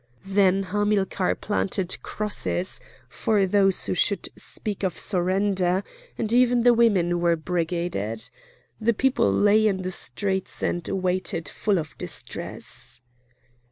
Then Hamilcar planted crosses for those who should speak of surrender, and even the women were brigaded. The people lay in the streets and waited full of distress.